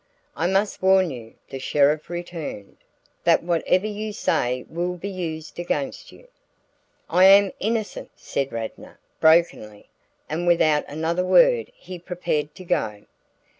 "I must warn you," the sheriff returned, "that whatever you say will be used against you." "I am innocent," said Radnor, brokenly, and without another word he prepared to go.